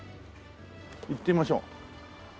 行ってみましょう。